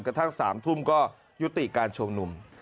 กระทั่ง๓ทุ่มก็ยุติการชุมนุม